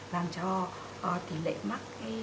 làm cho tỉ lệ mắc